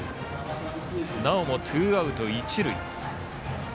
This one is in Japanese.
なおもツーアウト、一塁。